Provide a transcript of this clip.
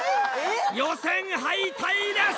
予選敗退です！